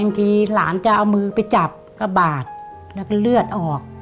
ทีหลานจะเอามือไปจับกระบาดแล้วก็เลือดออก